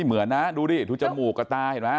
เหมือนนะดูดิทุกจมูกกระตาเห็นมั้ย